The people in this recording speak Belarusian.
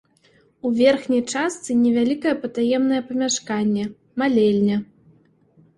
У верхняй частцы невялікае патаемнае памяшканне-малельня.